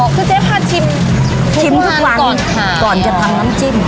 อ๋อคือเจ๊พาชิมทุกวันก่อนค่ะก่อนจะทำน้ำจิ้ม